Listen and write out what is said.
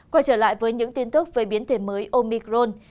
quay trở lại với những tin tức về biến thể mới omicron